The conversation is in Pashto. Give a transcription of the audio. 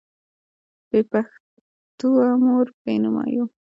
بې پښتوه موږ بې نومه یو.